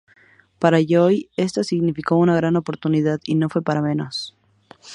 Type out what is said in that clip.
Para Joy esta significó una gran oportunidad, y no fue para menos.